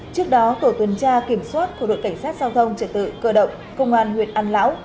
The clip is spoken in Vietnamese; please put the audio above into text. trước đó tổ tuần tra kiểm soát của đội cảnh sát giao thông trật tự cơ động công an huyện an lão